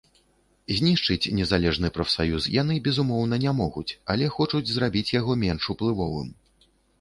Знішчыць незалежны прафсаюз яны, безумоўна, не могуць, але хочуць зрабіць яго менш уплывовым.